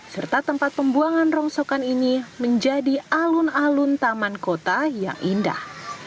serta tempat pembuangan rongsokan ini menjadi alun alun taman kota yang indah